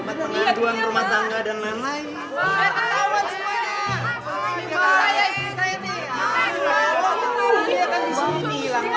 tempat pengaduan rumah tangga dan lain lain